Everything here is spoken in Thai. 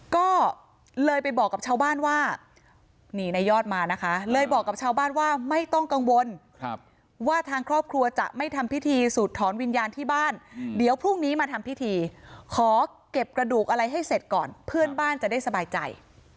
ก็เลยไปบอกกับชาวบ้านว่าไม่ต้องกังวลว่าทางครอบครัวจะไม่ทำพิธีสุดถอนวิญญาณที่บ้านเดี๋ยวพรุ่งนี้มาทำพิธีขอเก็บกระดูกอะไรให้เสร็จก่อนเพื่อนบ้านจะได้สบายใจ